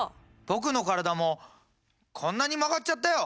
僕の体もこんなに曲がっちゃったよ！